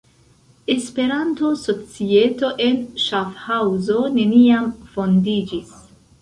Esperanto-Societo en Ŝafhaŭzo neniam fondiĝis.